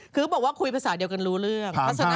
คือเขาบอกว่าคุยภาษาเดียวกันรู้เรื่อง